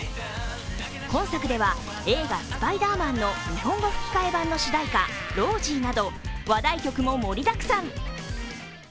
今作では映画「スパイダーマン」の日本語吹き替え版の主題歌「Ｒｏｓｙ」など話題曲も盛りだくさん。